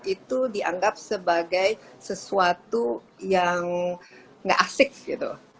itu dianggap sebagai sesuatu yang nggak asik gitu